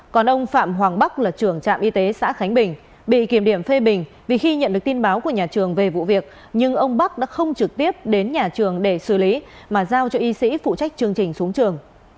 còn ông phạm hoàng bắc là trưởng trạm y tế xã khánh bình bị kiểm điểm phê bình vì khi nhận được tin báo của nhà trường về vụ việc nhưng ông bắc đã không trực tiếp đến nhà trường để xử lý mà giao cho y sĩ phụ trách chương trình xuống trường